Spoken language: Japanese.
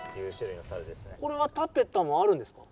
これはタペタムあるんですか？